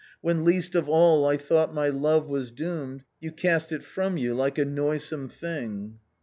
When least of all I thought my love was doomed, You cast it from you like a noisome thing.